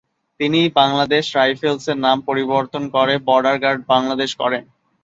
তিনিই বাংলাদেশ রাইফেলসের নাম পরিবর্তন করে বর্ডার গার্ড বাংলাদেশ করেন।